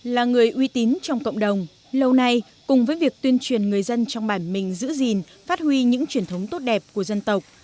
là người uy tín trong cộng đồng lâu nay cùng với việc tuyên truyền người dân trong bản mình giữ gìn phát huy những truyền thống tốt đẹp của dân tộc